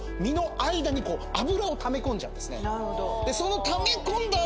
その。